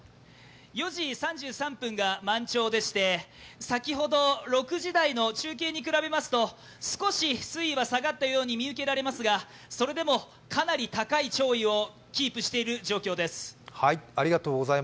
４時３３分が満潮でして、先ほどの６時台の中継に比べますと少し水位は下がったように見受けられますがそれでもかなり高い潮位をキープしている状況です。